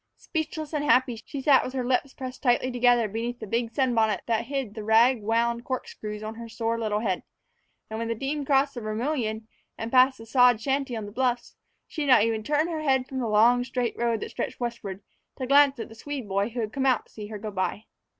Speechless and happy, she sat with her lips pressed tightly together beneath the big sunbonnet that hid the rag wound corkscrews on her sore little head; and when the team crossed the Vermilion and passed the sod shanty on the bluffs, she did not even turn her eyes from the long, straight road that stretched westward to glance at the Swede boy who had come out to see her go by.